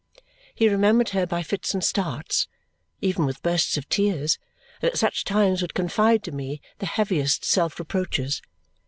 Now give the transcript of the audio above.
He remembered her by fits and starts, even with bursts of tears, and at such times would confide to me the heaviest self reproaches.